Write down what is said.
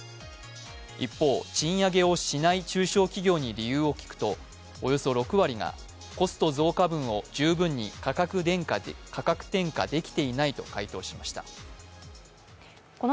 一方、賃上げをしない中小企業に理由を聞くとおよそ６割が、コスト増加分を十分に価格転嫁できていないと回答しました。